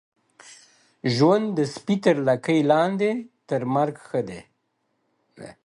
ژوند د سپي تر لکۍ لاندي ، تر مرګ ښه دی.